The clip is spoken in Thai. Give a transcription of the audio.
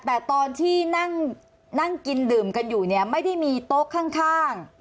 แต่ตอนที่นั่งกินดื่มกันอยู่เนี่ยไม่ได้มีโต๊ะข้าง